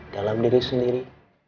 dalam diri sendiri